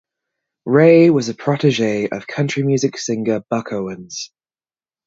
Raye was a protegee of country music singer Buck Owens.